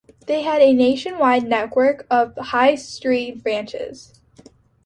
They had a nationwide network of high street branches.